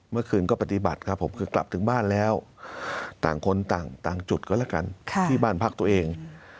เมื่อคืนก็ปฏิบัติครับผมคือกลับถึงบ้านแล้วต่างคนต่างจุดก็แล้วกันที่บ้านพักตัวเอง